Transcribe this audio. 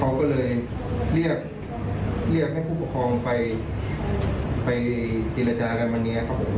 เขาก็เลยเรียกเรียกให้ผูปกรองไปไปกิจราจากันมาเนี่ยครับผม